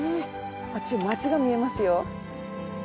あっちに街が見えますよ。